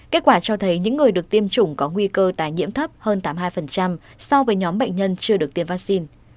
kết quả cho thấy những người được tiêm chủng có nguy cơ tài nhiễm thấp hơn tám mươi hai so với nhóm bệnh nhân chưa được tiêm vaccine